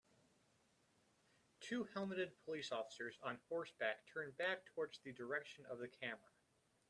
Two helmeted police officers on horseback turn back towards the direction of the camera.